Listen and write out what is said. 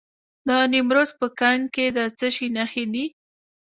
د نیمروز په کنگ کې د څه شي نښې دي؟